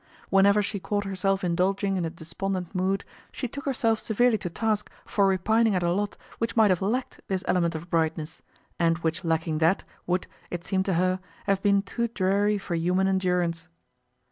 Whenever she caught herself indulging in a despondent mood, she took herself severely to task for repining at a lot which might have lacked this element of brightness, and which lacking that, would, it seemed to her, have been too dreary for human endurance.